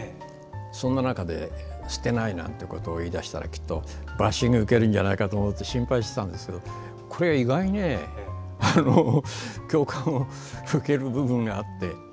そんな中で捨てないなんて言いだしたらきっとバッシングを受けるんじゃないかと思って心配してたんですけど意外に共感をいただける部分があって。